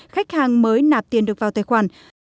khách hàng mới nạp tiền được vào tài khoản